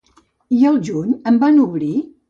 I al juny en van obrir?